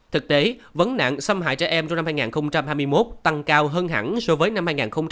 thực tế vấn nạn xâm hại trẻ em trong năm hai nghìn hai mươi một tăng cao hơn hẳn so với năm hai nghìn hai mươi hai